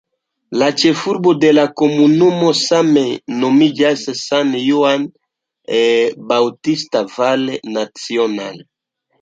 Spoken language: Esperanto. La ĉefurbo de la komunumo same nomiĝas "San Juan Bautista Valle Nacional".